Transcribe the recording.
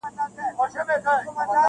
له محشره نه دی کم هغه ساعت چي,